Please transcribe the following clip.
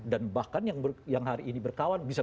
dan bahkan yang hari ini berkawan bisa